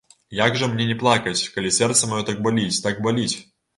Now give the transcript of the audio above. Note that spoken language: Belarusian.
Як жа мне не плакаць, калі сэрца маё так баліць, так баліць!